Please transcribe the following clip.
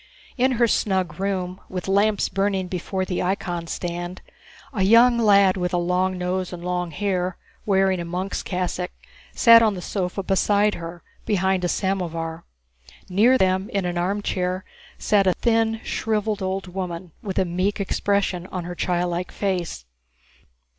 In her snug room, with lamps burning before the icon stand, a young lad with a long nose and long hair, wearing a monk's cassock, sat on the sofa beside her, behind a samovar. Near them, in an armchair, sat a thin, shriveled, old woman, with a meek expression on her childlike face.